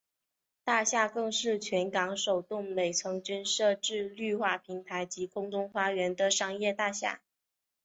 大厦更是全港首幢每层均设置绿化平台及空中花园的商业大厦。